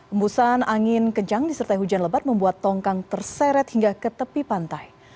embusan angin kejang disertai hujan lebat membuat tongkang terseret hingga ke tepi pantai